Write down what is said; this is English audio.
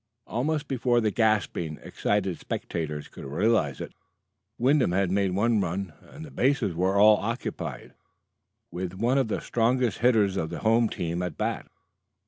Almost before the gasping, excited spectators could realize it, Wyndham had made one run and the bases were all occupied, with one of the strongest hitters of the home team at bat.